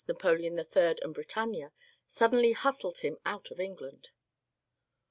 Napoleon III and Britannia, suddenly hustled him out of Eng land.